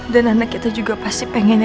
dan anak kita juga pasti pengennya